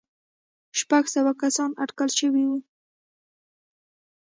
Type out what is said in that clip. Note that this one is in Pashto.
شپږ سوه کسان اټکل شوي وو.